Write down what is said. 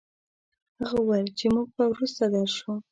هغه وويل چې موږ به وروسته درشو.